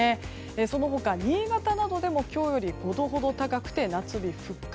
その他、新潟などでも今日より５度ほど高くて夏日復活。